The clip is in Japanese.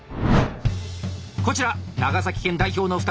こちら長崎県代表の２人。